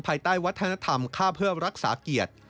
ภายใต้วัฒนธรรมค่าเพื่อรักษาเกียรติ